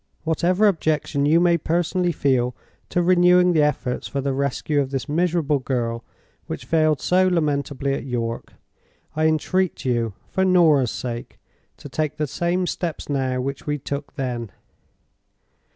Whatever objection you may personally feel to renewing the efforts for the rescue of this miserable girl which failed so lamentably at York, I entreat you, for Norah's sake, to take the same steps now which we took then.